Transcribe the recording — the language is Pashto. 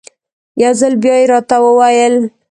یو ځل بیا یې راته وویل.